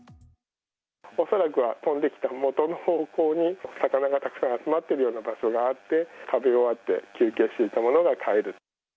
恐らくは飛んできたもとの方向に魚がたくさん集まってるような場所があって、食べ終わって休憩していたものが帰る。